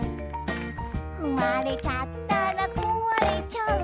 「ふまれちゃったらこわれちゃう」